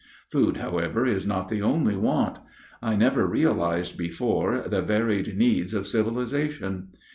Food, however, is not the only want. I never realized before the varied needs of civilization.